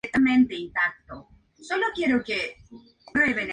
Asimismo, se cuidó de proteger los intereses de la Liga.